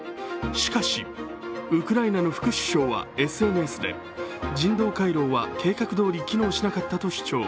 しかし、ウクライナの副首相はＳＮＳで人道回廊は計画どおり機能しなかったと主張。